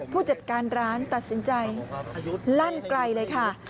ผู้จัดการร้านตัดสินใจลั่นไกลเลยค่ะ